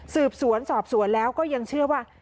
สืบสวนสอบสวนแล้วก็ยังเชื่อว่า